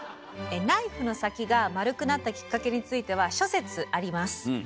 ナイフの先が丸くなったきっかけについては諸説あります。